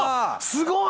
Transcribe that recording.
すごい！